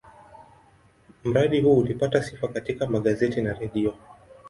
Mradi huu ulipata sifa katika magazeti na redio.